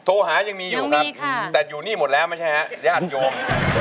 โทษภาพยังมีอยู่ครับแต่อยู่นี่หมดแล้วมันใช่ไหมครับญาติโยม